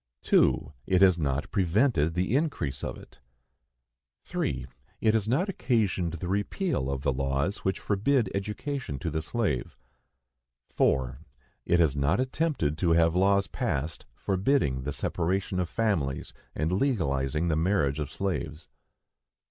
2. It has not prevented the increase of it. 3. It has not occasioned the repeal of the laws which forbid education to the slave. 4. It has not attempted to have laws passed forbidding the separation of families and legalizing the marriage of slaves.